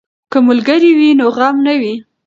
که ملګری وي نو غم نه وي.